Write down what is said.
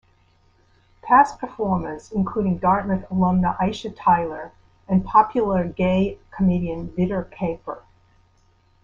Past performers including Dartmouth Alumna Aisha Tyler, and populay gay comedian Vidur Kapur.